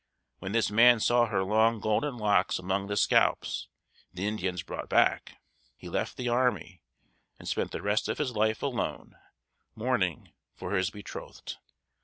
When this man saw her long golden locks among the scalps the Indians brought back, he left the army, and spent the rest of his life alone, mourning for his betrothed.